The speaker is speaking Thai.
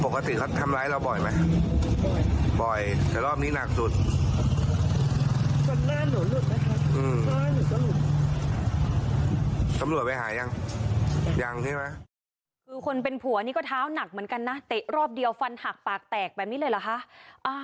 คือคนเป็นผัวนี่ก็เท้าหนักเหมือนกันนะเตะรอบเดียวฟันหักปากแตกแบบนี้เลยเหรอคะ